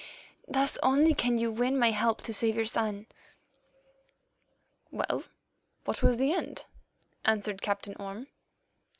Thus only can you win my help to save your son.'" "Well, what was the end?" asked Captain Orme.